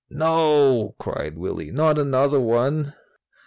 '" "No!" cried Willy. "Not another one!"